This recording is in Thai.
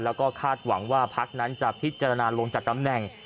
แล้วก็คาดหวังว่าพักนั้นจะพิจารณาลงจากตำแหน่ง